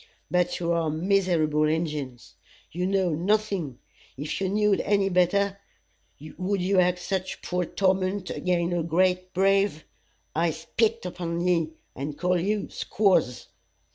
But you are miserable Injins! You know nothing. If you know'd any better, would you act such poor torment ag'in' a great brave? I spit upon ye, and call you squaws.